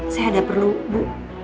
saya ada perlu bu